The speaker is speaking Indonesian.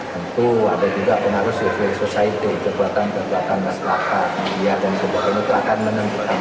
tentu ada juga pengaruh civil society kebuatan kebuatan masyarakat media dan sebuah penutra akan menentukan